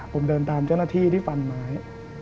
ผมเดินตามเจ้าหน้าที่ที่ฟันไม้